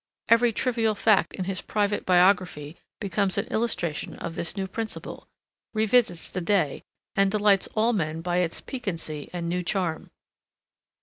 Every trivial fact in his private biography becomes an illustration of this new principle, revisits the day, and delights all men by its piquancy and new charm.